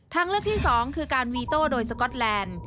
ทางเลือกที่๒คือการวีโต้โดยสก๊อตแลนด์